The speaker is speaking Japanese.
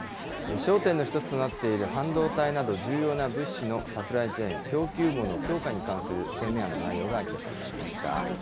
焦点の一つとなっている、半導体など重要な物資のサプライチェーン・供給網の強化に関する声明案の内容が明らかになりました。